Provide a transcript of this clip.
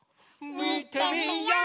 みてみよう！